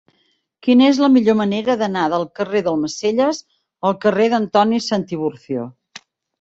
Quina és la millor manera d'anar del carrer d'Almacelles al carrer d'Antoni Santiburcio?